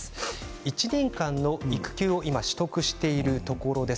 １年間の育休を今取得しているところです。